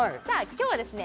今日はですね